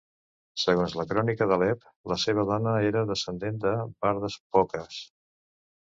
Segons la Crònica d'Alep, la seva dona era descendent de Bardas Phokas.